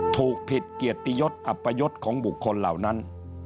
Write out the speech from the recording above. ถูกผิดเกียรติยศอัปยศของบุคคลเหล่านั้น